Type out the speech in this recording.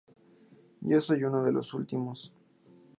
Yo soy uno de los últimos.